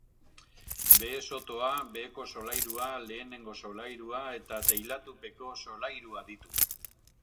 Behe-sotoa, beheko solairua, lehenengo solairua eta teilatupeko solairua ditu.